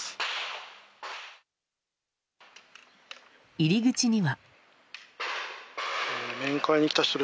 入り口には。